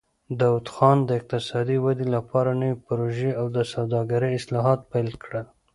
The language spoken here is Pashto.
داوود خان د اقتصادي ودې لپاره نوې پروژې او د سوداګرۍ اصلاحات پیل کړل.